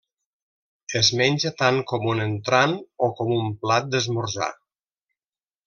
Es menja tant com un entrant o com un plat d'esmorzar.